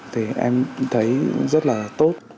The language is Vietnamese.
thì em thấy rất là tốt